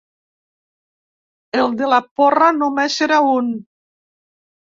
El de la porra només era un.